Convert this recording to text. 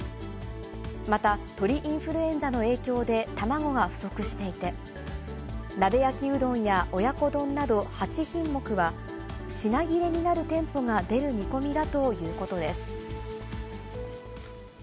また、鳥インフルエンザの影響で、卵が不足していて、鍋焼きうどんや親子丼など８品目は、品切れになる店舗が出る見込みだということです。